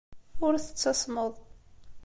Ur tettasmeḍ.